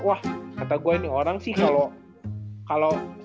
wah kata gue nih orang sih kalau